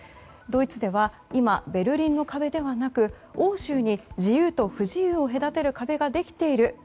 ドイツでは今、ベルリンの壁ではなく欧州に自由と不自由を隔てる壁ができている。